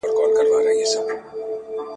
زه به اوږده موده ليکنه کړې وم.